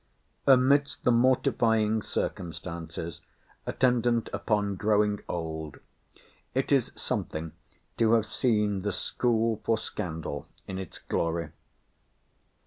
Amidst the mortifying circumstances attendant upon growing old, it is something to have seen the School for Scandal in its glory.